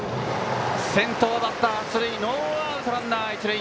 先頭バッター、出塁ノーアウトランナー、一塁。